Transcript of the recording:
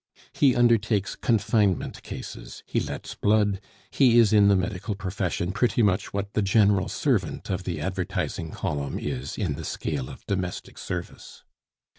He undertakes confinement cases, he lets blood, he is in the medical profession pretty much what the "general servant" of the advertising column is in the scale of domestic service.